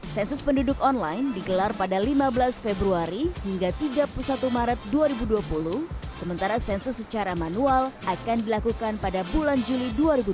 sensus penduduk online digelar pada lima belas februari hingga tiga puluh satu maret dua ribu dua puluh sementara sensus secara manual akan dilakukan pada bulan juli dua ribu dua puluh